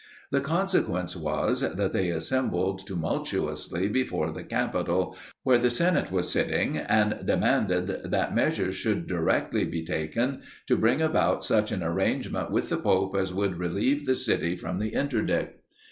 The consequence was, that they assembled tumultuously before the Capitol, where the seriate was sitting; and demanded that measures should be directly taken to bring about such an arrangement with the pope as would relieve the city from the interdict.